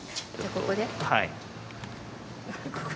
ここで？